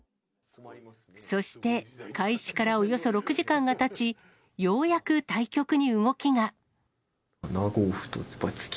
そして、開始からおよそ６時間がたち、ようやく対局に動きが。